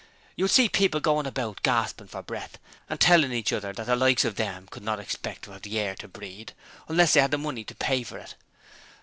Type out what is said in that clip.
You would see people going about gasping for breath, and telling each other that the likes of them could not expect to have air to breathe unless they had the money to pay for it.